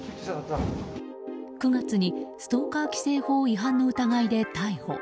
９月にストーカー規制法違反の疑いで逮捕。